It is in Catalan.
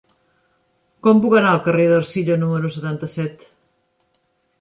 Com puc anar al carrer d'Ercilla número setanta-set?